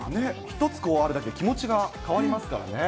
一つあるだけで気持ちが変わりますからね。